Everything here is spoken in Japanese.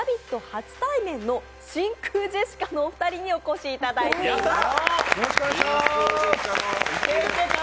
初対面の真空ジェシカのお二人にお越しいただいています。